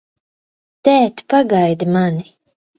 Tēt, pagaidi mani!